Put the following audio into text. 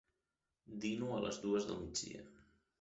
Dino a les dues del migdia.